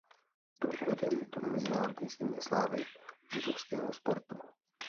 Byl uveden do Mezinárodní síně slávy židovského sportu.